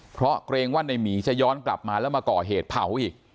เพราะเกรงว่าในหมีจะย้อนกลับมาแล้วมาก่อเหตุเผาอีก